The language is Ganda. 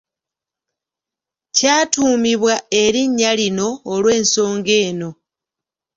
Kyatuumibwa erinnya lino olw’ensonga eno.